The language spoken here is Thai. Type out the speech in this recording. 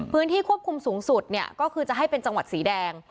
พื้นที่ควบคุมสูงสุดเนี่ยก็คือจะให้เป็นจังหวัดสีแดง